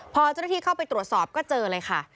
พอเจ้าหน้าที่เข้าไปตรวจสอบก็เจอเลยค่ะ